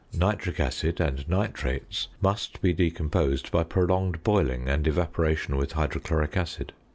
Nitric acid and nitrates must be decomposed by prolonged boiling and evaporation with hydrochloric acid.